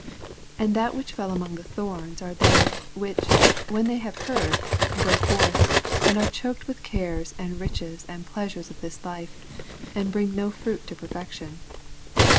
14 And that which fell among thorns are they, which, when they have heard, go forth, and are choked with cares and riches and pleasures of this life, and bring no fhiit to perfection.